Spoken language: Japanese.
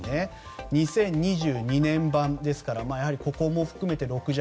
２０２２年版ですからやはりここも含めて６弱。